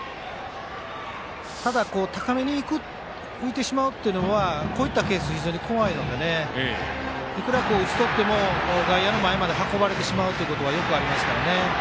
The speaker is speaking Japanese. ただ、高めに浮いてしまうというのはこういったケース非常に怖いのでいくら打ち取っても外野の前まで運ばれてしまうっていうことはよくありますからね。